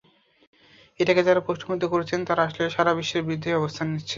এটাকে যাঁরা প্রশ্নবিদ্ধ করছেন, তাঁরা আসলে সারা বিশ্বের বিরুদ্ধেই অবস্থান নিচ্ছেন।